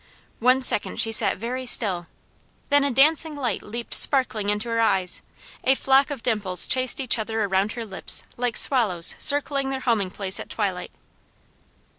One second she sat very still, then a dancing light leaped sparkling into her eyes; a flock of dimples chased each other around her lips like swallows circling their homing place at twilight.